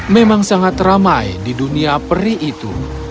memang sangat ramai di dunia peri itu